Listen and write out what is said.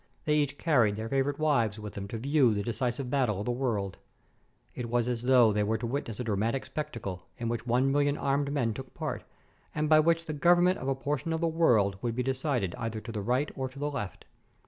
They each carried their favorite wives with them to view the deci sive battle of the world ! It was as though they were to witness a dramatic spectacle, in which one million armed men took part, and by which the government of a por tion of the world would be decided either to the right or to the left.